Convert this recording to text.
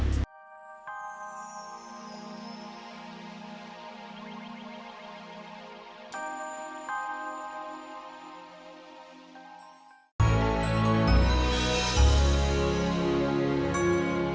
kalau kamu belum punya suami nggak punya pacar